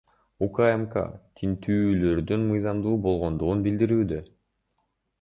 УКМК тинтүүлөрдүн мыйзамдуу болгондугун билдирүүдө.